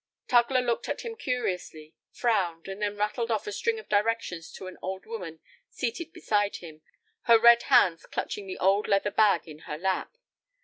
Tugler looked at him curiously, frowned, and then rattled off a string of directions to an old woman seated beside him, her red hands clutching the old leather bag in her lap.